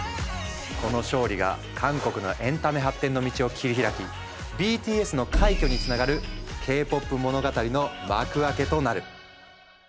この勝利が韓国のエンタメ発展の道を切り開きＢＴＳの快挙につながるＫ−ＰＯＰ物語の幕開けとなる。